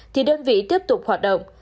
thì đơn vị tiếp tục hoạt động